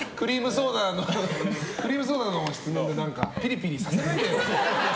クリームソーダの質問でピリピリさせないでよ。